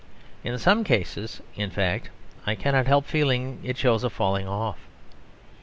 In some cases, in fact, I cannot help feeling that it shows a falling off.